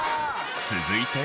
続いて。